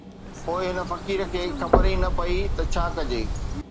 پوءِ هن فقير کي خبر ئي نه پئي ته ڇا ڪجي